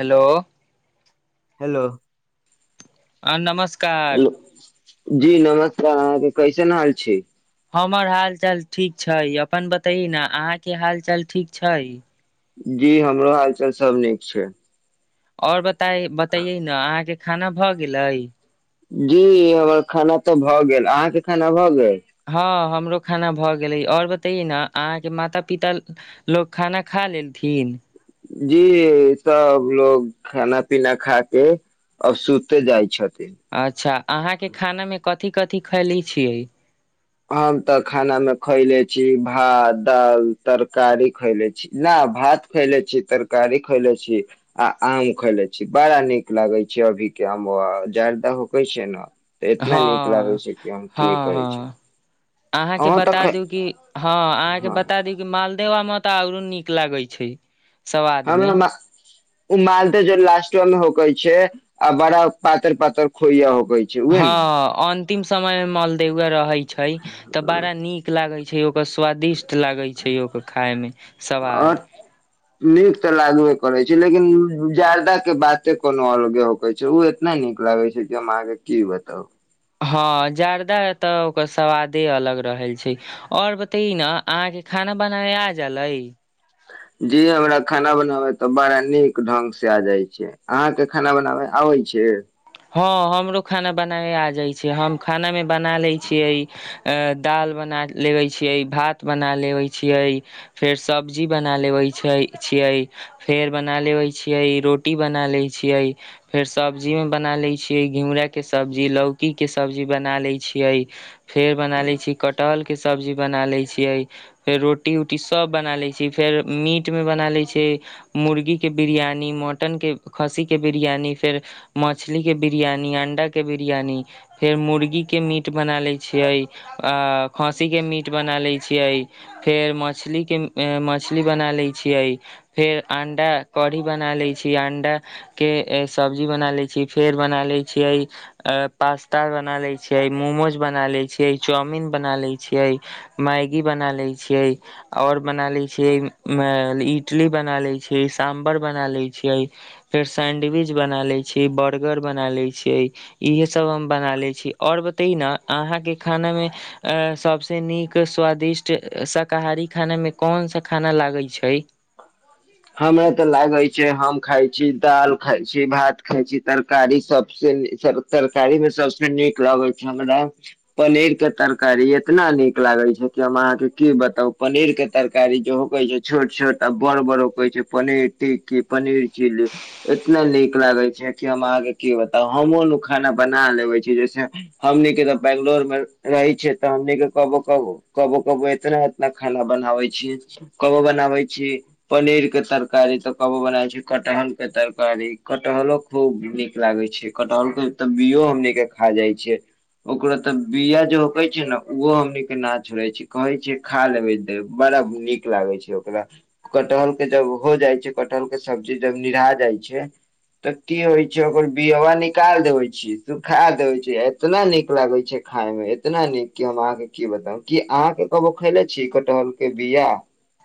Hello hello आ नमस्कार जी नमस्कार अहाँके कैसन हाल छै हमर हाल चाल ठीक छै अपन बतैही न अहाँके हाल चाल ठीक छै जी हमरो हालचाल सब नीक छै और बताइ बतैैयै न अहाँके खाना भऽ गेलै जी हमर खाना तऽ भए गेल अहाँके खाना भऽ गेल हँ हम हमरो खाना भऽ गेलै और बतैे ही न अहाँके माता पिता लोग खाना खा लेलथिन जी सब लोग खाना पीना खा के अब सुते जाइ छथि अच्छा अहाँके खानामे कथी कथी खैखले छियै हम तऽ खाना मे खैले छी भात दाल तरकारी खैले छी ना भात खैले छी तरकारी खैले छी आ आम खैले छी बड़ा नीक लागे छै अभि किया हम ओ जर्दा हौकै छी न एतना हँ नीक लागे छै कि हम हँ की कहै हँ छी अहाँके अहूँ बता तऽ दू कि हां अहाँके हँ बता दू कि माल देवा माता आ नीक लागे छै स्वाद मे ओ मालदह जे लास्टवा मे होखै छै आ बड़ा उ पातर पातर खोइज हो हँ अन्तिम समय मे मलदेवउवा रहै छै तऽ बड़ा नीक लागै छै ओ स्वादिष्ट लागै छै यौ खाय मे आ स्वाद नीक तऽ लागबे करै छै लेकिन जर्दा के बाते कोनो अलगे होक छै उ नैय नीक लागे छै इ हम आहां के की बताउ हाँ जर्दा त ओकर स्वादे अलग रहै छै और बताई न अहाँ खा खना बनाबे आ जा लै जी हमरा खाना बनाबे तऽ बड़ा नीक ढंग से आ जाय छै अहाँ के खाना बनाबे आबै छै हँ हमरो खाना बनाबै आ जाइ छै हम खानामे बना लै छियै दाल बना लेबै छियै भात बना लेबै छियै फेर सब्जी बना लेबै छिय छियै फेर बना लेबै छियै रोटी बना लियै छियै फेर सब्जीमे बना लियै छियै घिउरा के सब्जी लौकी के सब्जी बना लै छियै फेर बना लै छी कटहल के सब्जी बना लै छियै फेर रोती उटी सब बना लै छियै फेर मीठ मे बना लै छियै मुर्गी के बिरयानी मटनके खस्सीके बिरयानी फेर मछली के बिरियानी अंडा के बिरियानी फेर मुर्गी के मीठ बना लै छियै आ खाँसी के मीठ बना लै छियै फेर मछली के मछली बना लै छिय फेर अंडा कढ़ी बना लै छी अंडा के सब्जी बना लै छी की फेर बना लै छियै पास्ता बना लै छियै मोमोज बना लै छियै चाउमिन चाउमिन बना लै छियै मैगी बना लै छियै और बना लै छियै। इटली बना लै छियै साम्भर बना लै छियै फेर सैंडविच बना लै जे बर्गर बना लै छै इहे सब हम बना ले छी और बता ही न अहाँ के खाना में अ सबसे नीक स्वादिष्ट शाकाहारी खाना में कौन सा खाना लागै छै हमरा तऽ लागै छै हम खाय छी, दाल खाइ छी, भात खाइ छी, तरकारी सब तरकारीमे सबसँ नीक लगैय छैय हमरा पनीर के तरकारी, एतना नीक लागैय छैय कि हम अहाँ के की बताउ पनीर के तरकारी जे होखैय छैय छोट-छोट आ बड़-बड़ो होय छैय पनीर टिक्की, पनीर चिली एतना नीक लागैय छैय कि हम अहाँ के की बताउ हमहुँ लोग खाना बना लेवैय छियैय जैसे हमनीके त बेंगलोर मे रहैय छियैय त हमनीके कबो कबो-कबो एतना-एतना खाना बनाबैय छीयैय, कबो बनाबैय छी पनीर के तरकारी त कबो बनाबैय छियैय कटहल के तरकारी, कटहलो खुब नीक लागैय छैय। कटहल के त बीयो हमनीके खा जाइ छियैय। ओकरो त बिया जे होखैय छैय न उहो हमनीके ना छोड़ैय छी कहैय छीयैय खा लेबैय, देब बड़ा नीक लागैय छैय ओकरा, कटहल के जब हो जाइ छैय, कटहल के सब्जी जब निरहा जाइ छैय तत्ते होइ छैय ओकर बियबा निकाल देबैय छियैय, सुखा देबैय छियैय आ एतना नीक लागैय छैय खायमे एतना नीक कि हम अहाँके की बताउ, की अहाँ कि कबो खयले छियैय कटहल के बिया?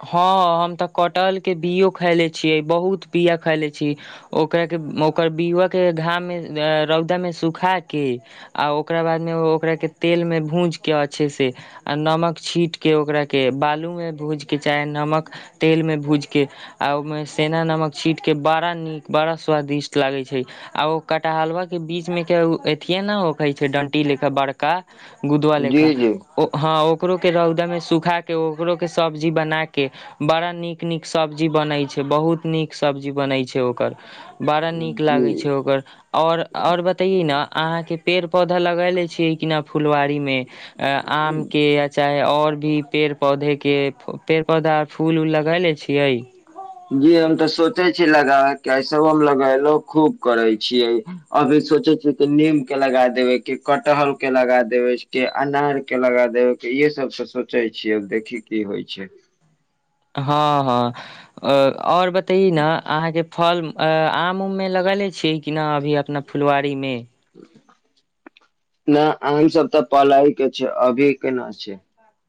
हँ हम त कटहल के बीयो खयले छियैय, बहुत बिया खयले छी, ओकरा ओकर बीअबा के घाममे-रौदामे सुखा के आ ओकरा बादमे ओकरा के तेलमे भुज के अच्छे से, आ नमक छीट के ओकरा के, बालूमे भुज के चाहे नमक-तेलमे भूजके आ ओहिमे सेंधा नमक छींटके बड़ा नीक बड़ा सुन्दर स्वादिष्ट लागैय छैय, आ ओ कटहलवा के बीचमे के अथिए न ओखैय छैय डण्टी लेखा बड़का गुदवा लेखा, जी, जी, हँ ओकरो के रौदामे सुखा के ओकरो के सब्जी बना के बड़ा नीक-नीक सब्जी बनैय छैय बहुत नीक सब्जी बनैय छैय ओकर। बड़ा नीक लागैय जी, छैय ओकर आओर-आओर बतइयै न अहाँ के पेड़-पौधा लगैले छीयैय कि ना फुलवारी, मे आम के आ चाहे आओर भी पेड़-पौधे के, पेड़-पौधा जी, हम त सोचैय छी लगाएब आ इ सब लगैयलो खुब करैय छियैय, अभी सोचैय छियैय की नीम के लगा देबैय, की कटहर के लगा देबैय, की अनार के लगा देबैय इएह सब सोचैय छियैय, देखियौ की-की होइ छैय। हँ-हँ आओर बतैयौ न अहाँके फल आम-उममे लगैले छियै की नै अभी अपना फुलवारीमे? [inaudible]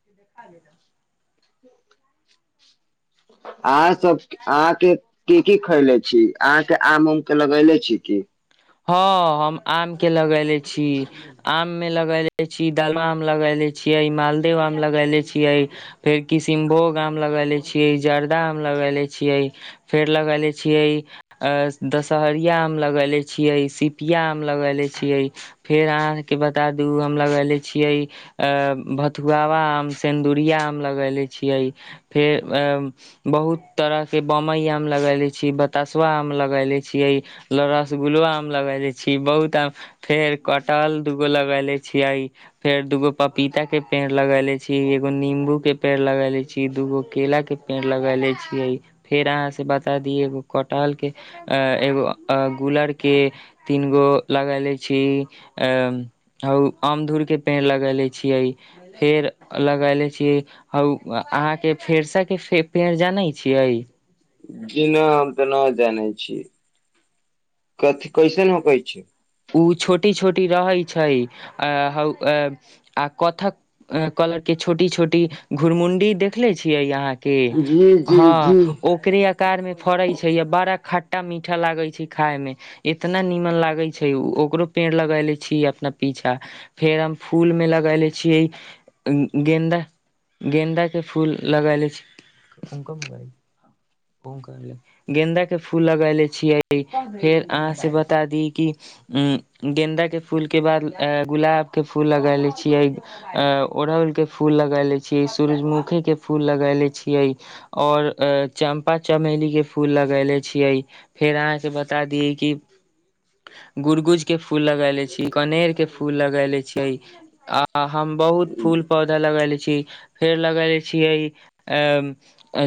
अहाँ सब अहाँके की-की खयले छी अहाँके आम-उम के लगैले छी की? हँ, हम आम के लगैले छी। आम मे लगैले छी दलमा आम लगैले छियैय, मालदेव आम लगैले छियैय, फेर किसीन- -भोग आम लगैेले छियैय, जर्दा आम लगैेले छियैय, फेर लगैले छियैय दशहरिया आम लगैले छियैय, सिपिया आम लगैले छियैय, फेर अहाँके बता दू हम लगैले छियैय भथुआवा आम, सिन्दुरिया आम लगैले छियैय फेर बहुत तरह के बमइ आम लगैले छियैय, बतसवा आम लगैले छियैय, रस- गुलबा आम लगैले छी, बहुत आम फेर कटहल दुगो लगैले छियैय, फेर दुगो पपीता के पेड़ लगैले छी, एगो नींबू के पेड़ लगैले छी, दूगो केला के पेड़ लगैले छीयैय, फेर अहाँ सँ बता दी एगो कटहल के, एगो गूलर के तीन गो लगैले छी, अमधुर के पेड़ लगैले छियैय, फेर लगैले छियैय अहाँके फेरसा के पेड़ जानैय छियैय? जी नै हम त न जानैय छियै, कथि कैसन होखै छै उ छोटी-छोटी रहैय छैय, आ कथक कथ कलर के छोटी-छोटी घुरमुंडी देखले छियै अहाँ के जी, जी, हँ जी। ओकरे आकारमे फड़ैय छैय बड़ा खट्टा-मीठा लागैय छै खायमे इतना नीमन लागैय छैय, ओकरो पेड़ लगायले छी अपना पीछा फेर हम फूलमे लगैले छियै गेन्दा गेन्दाके फूल लगलै छी ओे गेन्दा के फूल लगेलै छियै फेर अहाँ से बता दी कि अम गेन्दा के फूल के बाद गुलाब के फूल लगैले छियै ओड़हल के फूल लगायले छीयै सूरजमुखी के फूल लगायले छियै और चं पा चमेली के फूल लगेले छियै फेर अहाँ के बता दिय कि [inaudible] गुुर गुज के फूल लगयले छी कनेर के फूल लगयले छीयै आ हम बहुत फूल पौधा लगयले छी फेर लगयले छीयै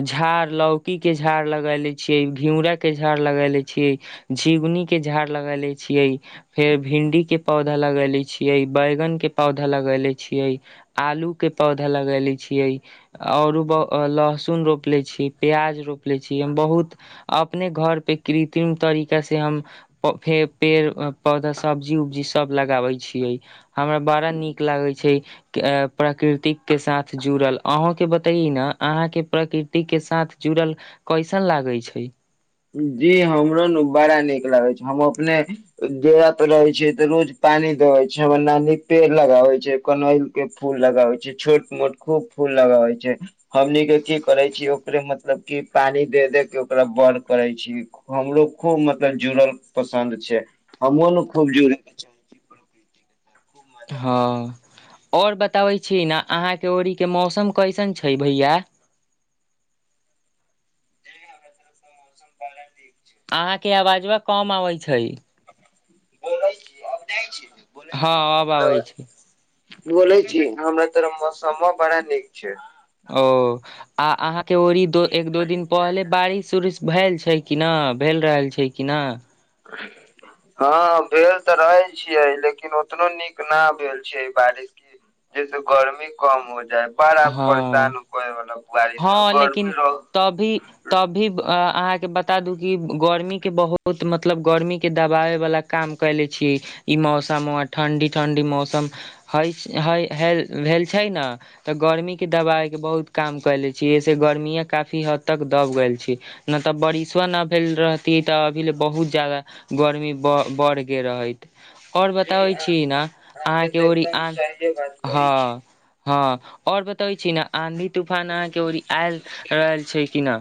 झाड़ ल औकी के झाड़ लगयले छीयै घिउरा के झाड़ लगयले छीयै झिंगुनी के झाड़ लगयले छियै फेर भिंडी के पौधा लगयले छियै बैगन के पौधा लगयले छियै आलू के पौधा लगयले छियै औरो लहसुन रोपले छीयै पियाज रोप ले छी बहुत अपने घर पे कृत्रिम तरीका से हम फे पेड़ पौधा सब्जी उब्जी सब लगाबै छियै हमरा बड़ा नीक लगै छै प्रकृतिक के साथ जुड़ल अहूं के बतइ न आहाँ के प्रकृतिके साथ जुड़ल कैसन लागै छै जी हमरो नू बड़ा नीक लागे छै हम अपने डेरा पर रहे छियै तऽ रोज पानी देबे छै हमर नानी पेड़ लगाबै छै कनैल के फूल लगावै छै छोट मोट खूब फूल लगाबे छै हमनी के की करे छी ओकरे मतलब की पानी दे दे के ओकरा ब करै छी हमरो खूब मतलब जुड़ल पसन्द छै हमहु ने खूब जुड़े के चाहे छी [inaudible] मजा आबै छै हँ जुड़े। और बताबै छी न अहाँके ओरीके मौसम कैसन छै भैया [inaudible] मौसम पालै द [unintelligible] अहाँके आवाजबा कम अबै छै बोलै छी आब जाइ छी बोलै हँ छी अब आबै छै हमरा बोले छी हमरा तोरा मौसमो बड़ा न ओ आ अहाँ के ओरी दो एक दो दिन पहले बारिश उरिश भेल छै कि न भेल रहल छै कि ना आ हँ भेल तऽ रहै छियै लेकिन ओतनो नीक न भेल छै बारिश जैसे गर्मी कम हो जाए बड़ा हँ परेशान कोय मतलब हँ लेकिन तभी तभी अहाँके बता दू कि गर्मीके बहुत मतलब गर्मीके दबाबैवला काम कयले छी ई मौसम व ठंडी ठंडी मौसम हय हय भेल छै न गर्मी के दवाई के बहुत काम कैले छी जसे गर्मीए काफी हद तक दब गेल छी न तऽ बारिसवा न भेल रहती तऽ अभी ले बहुत ज्यादा गर्मी ब बढ़ गे रहै और जी बताबै छी न अहाँ के अहाँके तऽ ओर ई एकदम सहिए बात कहै छी हँ हँ और बतइ छी न आंधी तूफान अहाँके औरी आयल छै कि न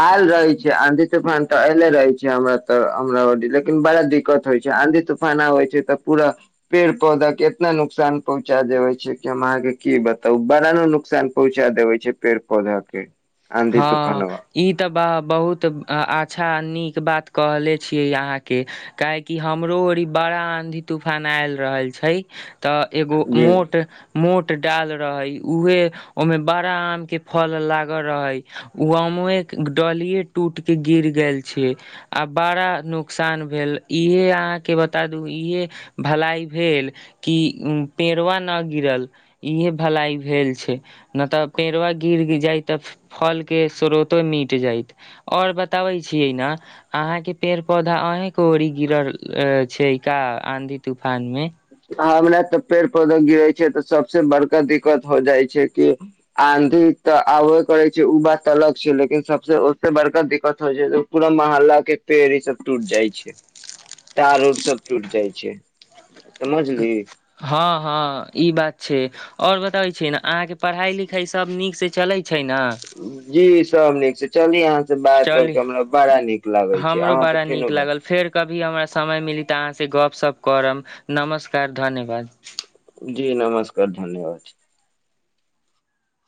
आयल रहे छै आंधी तूफान तऽ ऐले रहे छै हमरा तऽ हमरा औरी लेकिन बड़ा दिक्कत होइ छै आंधी तूफान आ होइ छै तऽ पूरा पेड़ पौधा के इतना नुकसान पहुँचा देबै छै अहाँ के की बताउ बड़ा न नुकसान पहुंचा देबै छै पेड़ पौधा के आंधी तू हँ ई तऽ बा बहुत अच्छा नीक बात कहले छियै अहाँ के काहै की हमरो औरी बा बड़ा आंधी तूफान आयल रहल छै तऽ एगो जी मोट मोट डाल रहे उहे ओमे बड़ा आम के फल लागल रहै उमोए के डलीेया टूट के गिर गेल छै आ बड़ा नौक नसान भेल इहे अहाँके बता द इहे भलाइ भेल कि पेड़वा न गिरल इहे भलाई भेल छै न तऽ पेड़वा गिर जाय तऽ फल के स्रोतो मिीट जायत और बताबै छीियै ने अहाँके पेड़ पौधा आहे को ओरीी गिरल छै का आंधी तूफान मे हमरा तऽ पेड़ पौधा गिरे छै तऽ सबसे बड़का दिक्कत हो जाइ छै कि आ तऽ आबे करै छै ओ बात तऽ अलग छै लेकिन सब ओे बड़क दिक्कत होइ छै पुर मह मल्ला के पेड़ ई सब टूट जाइ छै तार उर सब टूट जाइ छै समझली हँ हँ ई बात छै आओर बताबै छी ने अहाँके पढ़ाई लिखाई सभ नीक से चलैत जी सभ नीक से चली यहाँ ह से बात करके चली हमरा बड़ा नीक लागै छै हमरो अहाँ से बड़ा फेनो नीक बात लागल फेर कभी हमरा समय मिली तऽ अहाँ से गपशप करब नमस्कार धन्यवाद जी नमस्कार धन्यवाद